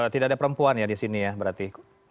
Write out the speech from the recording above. tidak ada perempuan ya disini ya berarti